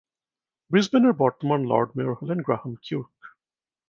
ব্রিসবেনের বর্তমান lord mayor হলেন Graham কিউর্ক।